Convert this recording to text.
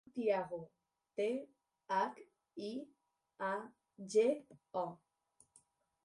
Es diu Thiago: te, hac, i, a, ge, o.